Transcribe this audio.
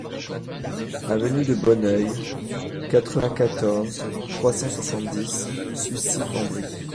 Avenue de Bonneuil, quatre-vingt-quatorze, trois cent soixante-dix Sucy-en-Brie